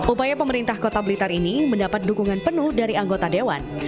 upaya pemerintah kota blitar ini mendapat dukungan penuh dari anggota dewan